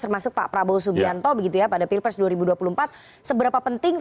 termasuk pak prabowo subianto begitu ya pada pilpres dua ribu dua puluh empat seberapa penting